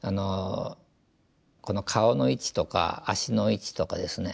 この顔の位置とか足の位置とかですね